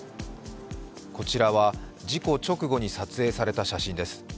こちらは事故直後に撮影された写真です。